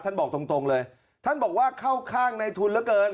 บอกตรงตรงเลยท่านบอกว่าเข้าข้างในทุนเหลือเกิน